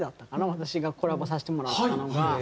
私がコラボさせてもらったのが。